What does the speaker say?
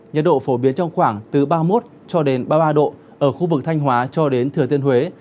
nhiệt độ phổ biến trong khoảng từ ba mươi một cho đến ba mươi ba độ ở khu vực thanh hóa cho đến thừa tiên huế